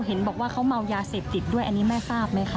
เห็นบอกว่าเขาเมายาเสพติดด้วยอันนี้แม่ทราบไหมคะ